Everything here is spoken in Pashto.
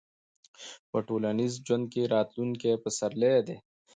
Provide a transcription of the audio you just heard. په ټولنیز ژوند کې راتلونکي پسرلي دي.